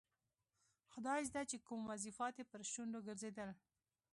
خدایزده چې کوم وظیفات یې پر شونډو ګرځېدل.